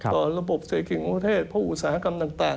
ต่อระบบเศรษฐกิจมหัวเทศผู้อุตสาหกรรมต่าง